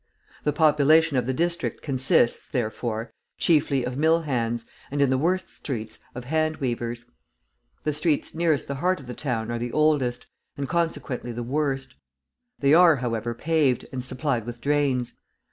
The population of the district consists, therefore, chiefly of mill hands, and in the worst streets, of hand weavers. The streets nearest the heart of the town are the oldest, and consequently the worst; they are, however, paved, and supplied with drains.